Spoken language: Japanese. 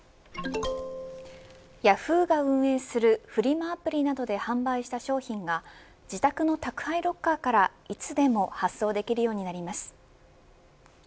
ヤフーが運営するフリマアプリなどで販売した商品が自宅の宅配ロッカーからいつでも発送できるようになります。